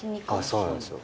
そうなんですよ。